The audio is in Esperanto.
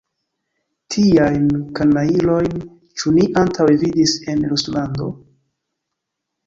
Tiajn kanajlojn ĉu ni antaŭe vidis en Ruslando?